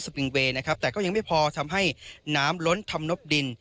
ปิงเวย์นะครับแต่ก็ยังไม่พอทำให้น้ำล้นทำนบดิน